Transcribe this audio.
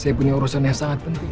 saya punya urusan yang sangat penting